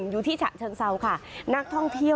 อยู่ที่ฉะเชิงเซาค่ะนักท่องเที่ยว